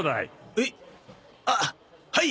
えっあっはい！